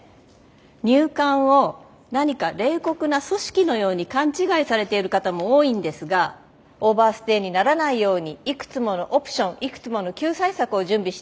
入管を何か冷酷な組織のように勘違いされている方も多いんですがオーバーステイにならないようにいくつものオプションいくつもの救済策を準備しているんです。